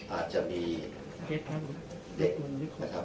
อาจจะมีสระวมของเด็กนะครับ